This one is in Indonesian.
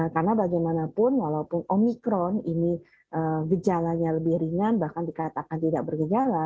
karena bagaimanapun walaupun omikron ini gejalanya lebih ringan bahkan dikatakan tidak bergejala